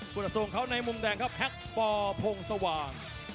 พูดส่งเขาในมุมแดงครับแฮกป่อพงศ์สว่าง